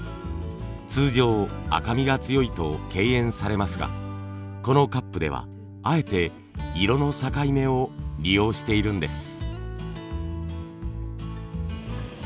通常赤みが強いと敬遠されますがこのカップではあえて色の境目を利用しているんです。